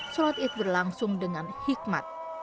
sholat id berlangsung dengan hikmat